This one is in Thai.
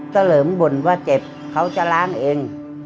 เลิมบ่นว่าเจ็บเขาจะล้างเอง